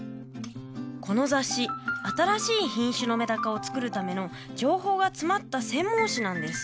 この雑誌新しい品種のメダカをつくるための情報が詰まった専門誌なんです。